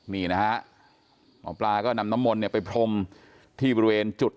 นี่นะฮะหมอปลาก็นำน้ำมนต์เนี่ยไปพรมที่บริเวณจุด